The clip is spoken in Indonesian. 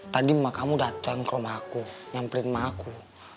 tadi mama kamu datang ke rumah aku nyamperin mah aku